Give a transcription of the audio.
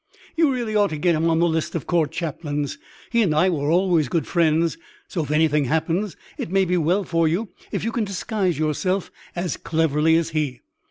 You really ought to get him on the list of court chaplains. He and I were always good friends, so if anything happens.... It may be well for you if you can disguise yourself as cleverly as he.